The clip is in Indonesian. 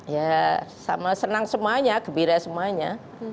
ya sama senang semuanya gembira semuanya